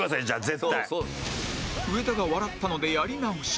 上田が笑ったのでやり直し